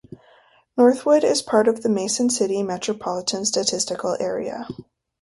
Northwood is part of the Mason City Micropolitan Statistical Area.